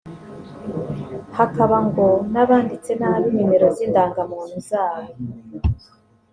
hakaba ngo n’abanditse nabi nimero z’indangamuntu zabo